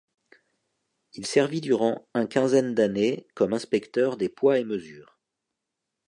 Il servit durant un quinzaine d'années comme inspecteur des poids et mesures.